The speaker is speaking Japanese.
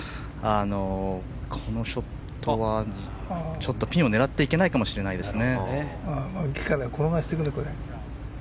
このショットはピンを狙っていけないかもしれないですね。